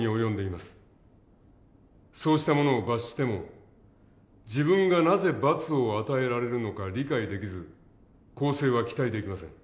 そうした者を罰しても自分がなぜ罰を与えられるのか理解できず更生は期待できません。